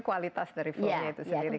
kualitas dari foodnya itu sendiri